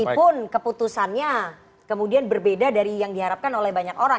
meskipun keputusannya kemudian berbeda dari yang diharapkan oleh banyak orang